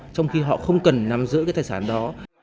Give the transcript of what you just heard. trong khi họ không cần nằm giữa cái tài sản đó